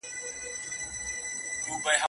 څېړونکی د متن کره کتنه ولي کوي؟